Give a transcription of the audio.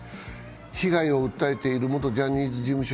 被害を訴えている元ジャニーズ事務所